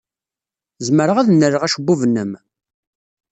Zemreɣ ad nnaleɣ acebbub-nnem?